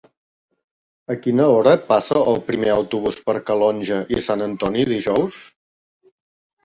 A quina hora passa el primer autobús per Calonge i Sant Antoni dijous?